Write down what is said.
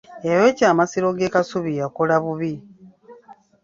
Eyayokya amasiro g'e Kasubi yakola bubi.